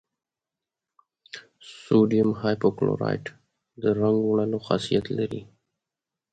سوډیم هایپو کلورایټ د رنګ وړلو خاصیت لري.